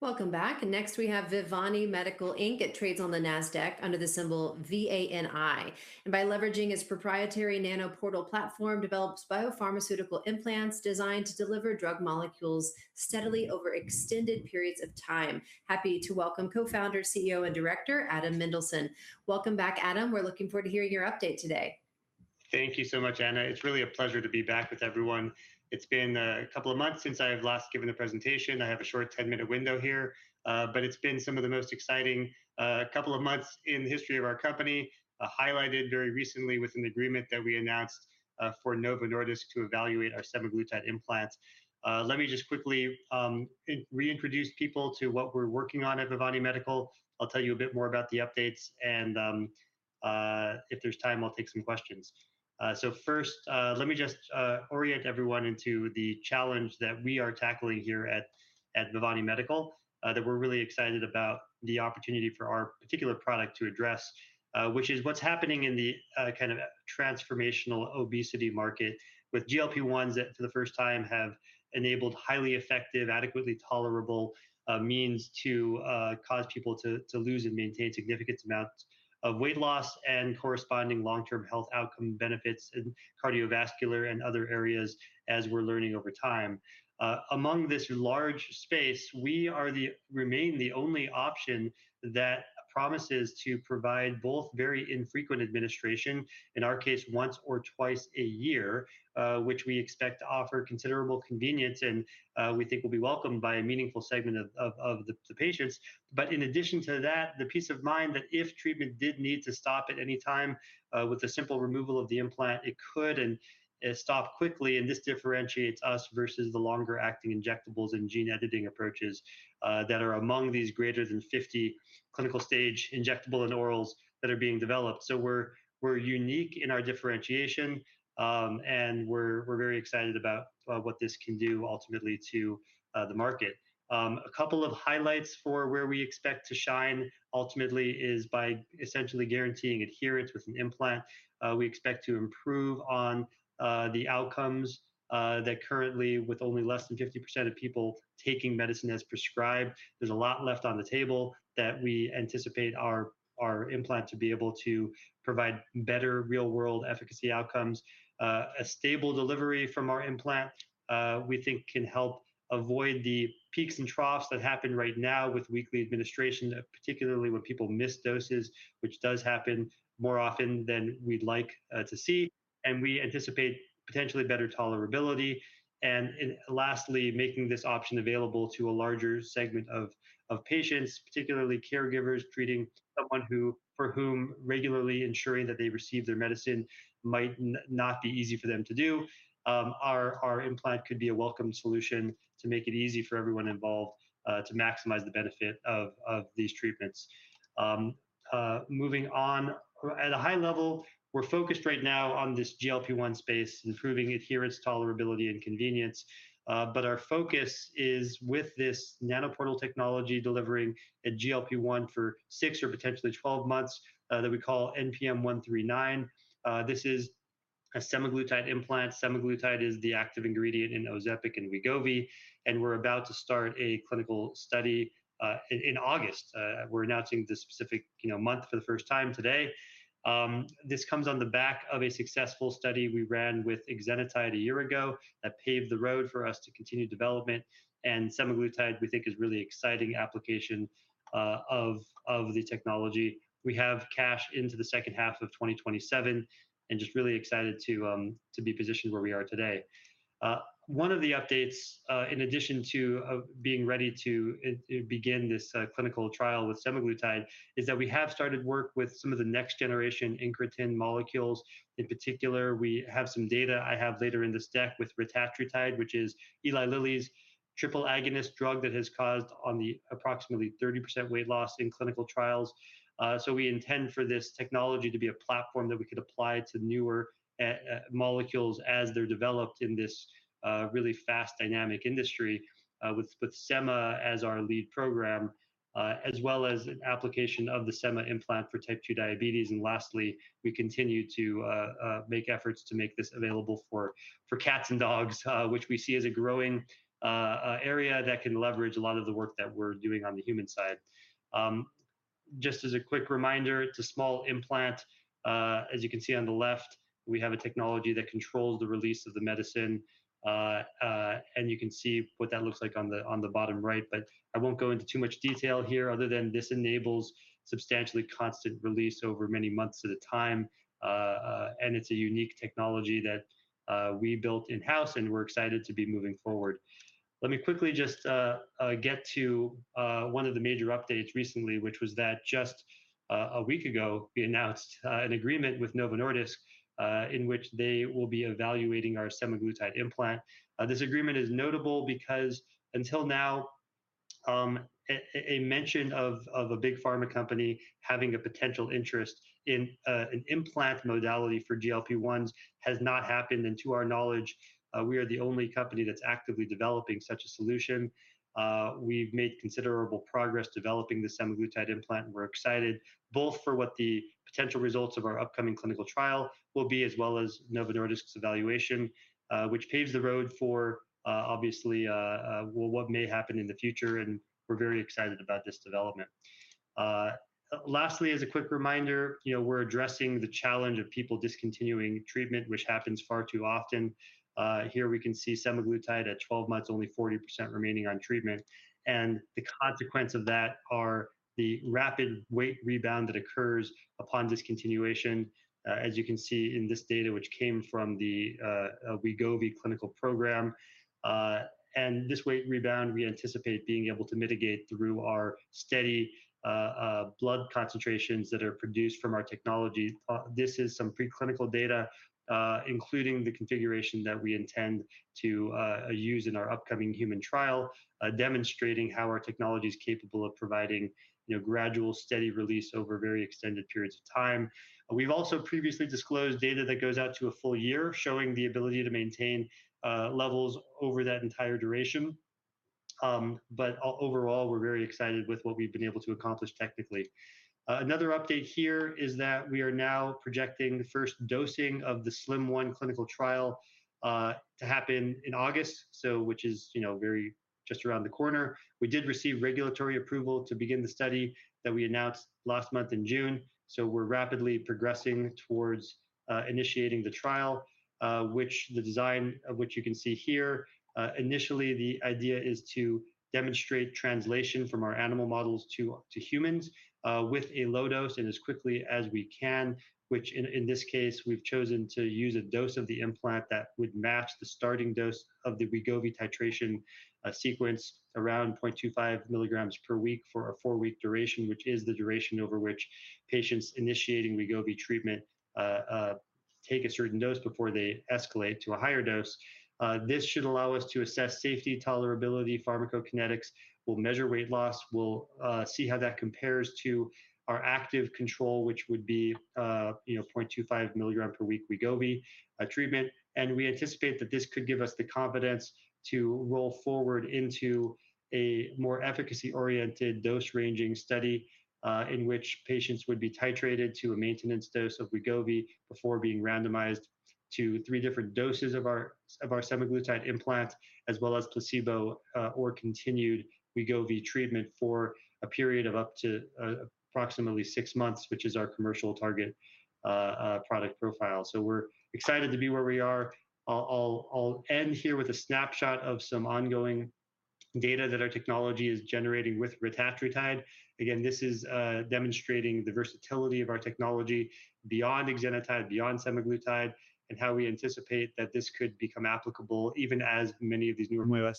Welcome back. Next, we have Vivani Medical, Inc. It trades on the Nasdaq under the symbol VANI, and by leveraging its proprietary NanoPortal platform, develops biopharmaceutical implants designed to deliver drug molecules steadily over extended periods of time. Happy to welcome Co-Founder, CEO, and Director, Adam Mendelsohn. Welcome back, Adam. We're looking forward to hearing your update today. Thank you so much, Anna. It's really a pleasure to be back with everyone. It's been a couple of months since I've last given a presentation. I have a short 10-minute window here. It's been some of the most exciting couple of months in the history of our company, highlighted very recently with an agreement that we announced for Novo Nordisk to evaluate our semaglutide implants. Let me just quickly reintroduce people to what we're working on at Vivani Medical. I'll tell you a bit more about the updates, and if there's time, I'll take some questions. First, let me just orient everyone into the challenge that we are tackling here at Vivani Medical, that we're really excited about the opportunity for our particular product to address, which is what's happening in the kind of transformational obesity market with GLP-1s that for the first time have enabled highly effective, adequately tolerable means to cause people to lose and maintain significant amounts of weight loss and corresponding long-term health outcome benefits in cardiovascular and other areas as we're learning over time. Among this large space, we remain the only option that promises to provide both very infrequent administration, in our case, once or twice a year, which we expect to offer considerable convenience and we think will be welcomed by a meaningful segment of the patients. In addition to that, the peace of mind that if treatment did need to stop at any time, with a simple removal of the implant, it could and stop quickly, and this differentiates us versus the longer-acting injectables and gene editing approaches that are among these greater than 50 clinical stage injectable and orals that are being developed. We're unique in our differentiation, and we're very excited about what this can do ultimately to the market. A couple of highlights for where we expect to shine ultimately is by essentially guaranteeing adherence with an implant. We expect to improve on the outcomes that currently, with only less than 50% of people taking medicine as prescribed, there's a lot left on the table that we anticipate our implant to be able to provide better real-world efficacy outcomes. A stable delivery from our implant we think can help avoid the peaks and troughs that happen right now with weekly administration, particularly when people miss doses, which does happen more often than we'd like to see. We anticipate potentially better tolerability. Lastly, making this option available to a larger segment of patients, particularly caregivers treating someone for whom regularly ensuring that they receive their medicine might not be easy for them to do. Our implant could be a welcome solution to make it easy for everyone involved to maximize the benefit of these treatments. Moving on. At a high level, we're focused right now on this GLP-1 space, improving adherence, tolerability, and convenience. Our focus is with this NanoPortal technology delivering a GLP-1 for six or potentially 12 months that we call NPM-139. This is a semaglutide implant. Semaglutide is the active ingredient in Ozempic and Wegovy. We're about to start a clinical study in August. We're announcing the specific month for the first time today. This comes on the back of a successful study we ran with exenatide a year ago that paved the road for us to continue development. Semaglutide, we think, is a really exciting application of the technology. We have cash into the second half of 2027 and just really excited to be positioned where we are today. One of the updates, in addition to being ready to begin this clinical trial with semaglutide, is that we have started work with some of the next generation incretin molecules. In particular, we have some data I have later in this deck with retatrutide, which is Eli Lilly's triple agonist drug that has caused on the approximately 30% weight loss in clinical trials. We intend for this technology to be a platform that we could apply to newer molecules as they're developed in this really fast, dynamic industry with SEMA as our lead program, as well as an application of the SEMA implant for type 2 diabetes. Lastly, we continue to make efforts to make this available for cats and dogs, which we see as a growing area that can leverage a lot of the work that we're doing on the human side. Just as a quick reminder, it's a small implant. As you can see on the left, we have a technology that controls the release of the medicine. You can see what that looks like on the bottom right, but I won't go into too much detail here other than this enables substantially constant release over many months at a time. It's a unique technology that we built in-house, and we're excited to be moving forward. Let me quickly just get to one of the major updates recently, which was that just a week ago, we announced an agreement with Novo Nordisk, in which they will be evaluating our semaglutide implant. This agreement is notable because until now, a mention of a big pharma company having a potential interest in an implant modality for GLP-1s has not happened. To our knowledge, we are the only company that's actively developing such a solution. We've made considerable progress developing the semaglutide implant. We're excited both for what the potential results of our upcoming clinical trial will be, as well as Novo Nordisk's evaluation, which paves the road for obviously what may happen in the future. We're very excited about this development. Lastly, as a quick reminder, we're addressing the challenge of people discontinuing treatment, which happens far too often. Here we can see semaglutide at 12 months, only 40% remaining on treatment. The consequence of that are the rapid weight rebound that occurs upon discontinuation, as you can see in this data, which came from the Wegovy clinical program. This weight rebound, we anticipate being able to mitigate through our steady blood concentrations that are produced from our technology. This is some preclinical data, including the configuration that we intend to use in our upcoming human trial, demonstrating how our technology's capable of providing gradual, steady release over very extended periods of time. We've also previously disclosed data that goes out to a full year, showing the ability to maintain levels over that entire duration. Overall, we're very excited with what we've been able to accomplish technically. Another update here is that we are now projecting the 1st dosing of the SLIM-1 clinical trial to happen in August, which is just around the corner. We did receive regulatory approval to begin the study that we announced last month in June. We're rapidly progressing towards initiating the trial, the design of which you can see here. Initially, the idea is to demonstrate translation from our animal models to humans with a low dose and as quickly as we can, which in this case, we've chosen to use a dose of the implant that would match the starting dose of the Wegovy titration sequence around 0.25 mg per week for a four-week duration, which is the duration over which patients initiating Wegovy treatment take a certain dose before they escalate to a higher dose. This should allow us to assess safety, tolerability, pharmacokinetics. We'll measure weight loss. We'll see how that compares to our active control, which would be 0.25 mg per week Wegovy treatment. We anticipate that this could give us the confidence to roll forward into a more efficacy-oriented dose-ranging study, in which patients would be titrated to a maintenance dose of Wegovy before being randomized to three different doses of our semaglutide implant, as well as placebo or continued Wegovy treatment for a period of up to approximately six months, which is our commercial target product profile. We're excited to be where we are. I'll end here with a snapshot of some ongoing data that our technology is generating with retatrutide. Again, this is demonstrating the versatility of our technology beyond exenatide, beyond semaglutide, and how we anticipate that this could become applicable even as many of these newer-